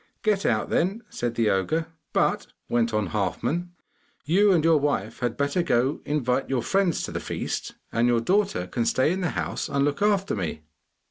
'Get out, then!' said the ogre. 'But,' went on Halfman, 'you and your wife had better go to invite your friends to the feast, and your daughter can stay in the house and look after me!